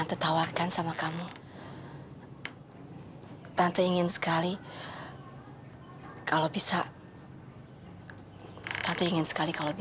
gak ada yang sayang payah semuanya manya disini